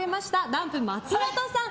ダンプ松本さん。